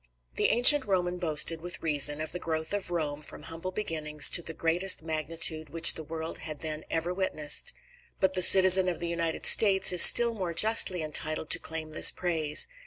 The ancient Roman boasted, with reason, of the growth of Rome from humble beginnings to the greatest magnitude which the world had then ever witnessed. But the citizen of the United States is still more justly entitled to claim this praise.